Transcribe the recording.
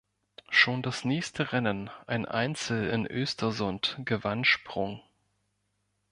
Schon das nächste Rennen, ein Einzel in Östersund, gewann Sprung.